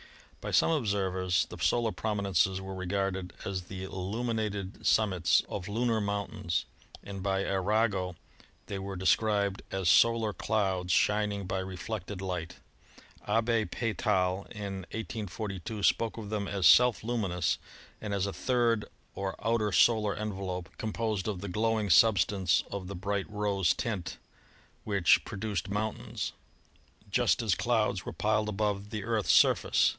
By some observers the solar prominences were regarded as the illuminated sum mits of lunar mountains, and by Arago they were de scribed as solar clouds shining by reflected light. Abbe Peytal, in 1842, spoke of them as self luminous and as a third or outer solar envelope composed of the glowing substance of the bright rose tint which produced moun tains, just as clouds were piled above the Earth's surface.